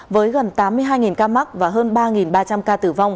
với gần tám mươi hai ca mắc và hơn ba ba trăm linh ca mắc